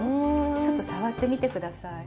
ちょっと触ってみて下さい。